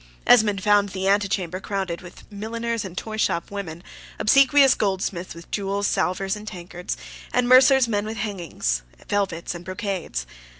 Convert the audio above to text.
Esmond found the ante chamber crowded with milliners and toyshop women, obsequious goldsmiths with jewels, salvers, and tankards; and mercers' men with hangings, and velvets, and brocades.